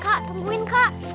kak tungguin kak